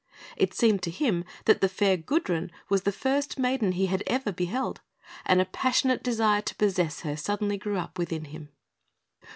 It seemed to him that the fair Gudrun was the first maiden he had ever beheld, and a passionate desire to possess her suddenly grew up within him.